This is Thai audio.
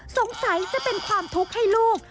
สงสัยจะเป็นความทุกข์ให้ลูก